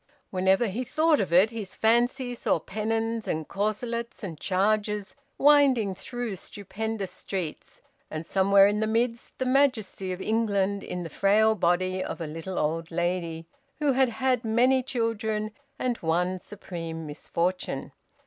Whenever he thought of it, his fancy saw pennons and corselets and chargers winding through stupendous streets, and, somewhere in the midst, the majesty of England in the frail body of a little old lady, who had had many children and one supreme misfortune.